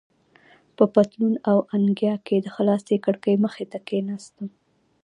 په پتلون او انګیا کې د خلاصې کړکۍ مخې ته کېناستم.